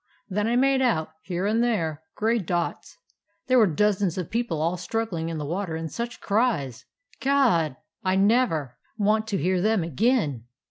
Then I made out, here and there, gray dots. There were dozens of people all struggling in the water, and such cries! God! I never want to hear them again!